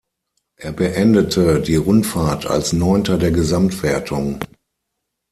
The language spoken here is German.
Er beendete die Rundfahrt als Neunter der Gesamtwertung.